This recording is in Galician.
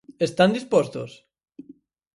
¿Están dispostos?